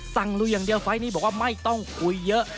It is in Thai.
ลุยอย่างเดียวไฟล์นี้บอกว่าไม่ต้องคุยเยอะ